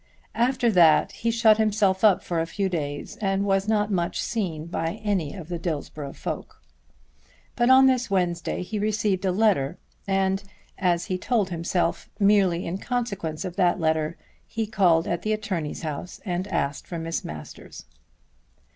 After that he shut himself up for a few days and was not much seen by any of the Dillsborough folk. But on this Wednesday he received a letter, and, as he told himself, merely in consequence of that letter, he called at the attorney's house and asked for Miss Masters.